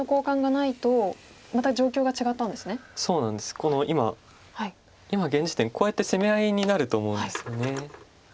この今今現時点こうやって攻め合いになると思うんですよね。